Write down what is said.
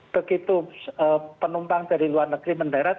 begitu penumpang dari luar negeri mendarat